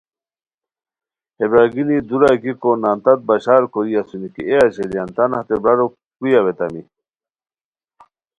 ہے برار گینی دورا گیکو نان تت بشار کوری اسونی کی اے اژیلیان تان ہتے برارو کوئی اویتامی؟